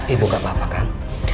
ibu kak papa kan